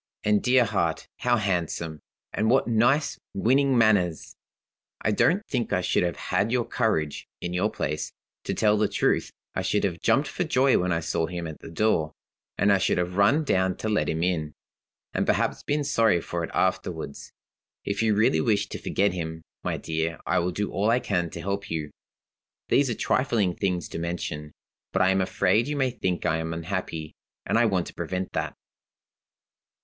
'And, dear heart, how handsome, and what nice, winning manners! I don't think I should have had your courage, in your place. To tell the truth, I should have jumped for joy when I saw him at the door; and I should have run down to let him in and perhaps been sorry for it afterward. If you really wish to forget him, my dear, I will do all I can to help you.' "These are trifling things to mention, but I am afraid you may think I am unhappy and I want to prevent that.